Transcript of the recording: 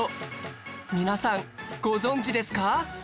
皆さんご存じですか？